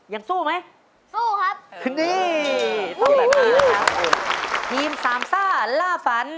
ยังสู้ไหมสู้ครับนี่ต้องแบบนี้นะครับทีมสามซ่าล่าฝัน